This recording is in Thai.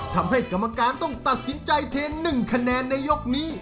ทำให้กรรมการต้องตัดสินใจเท๑คะแนนในยกนี้